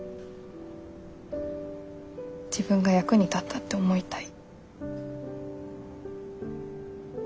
自分が役に立ったって思いたい。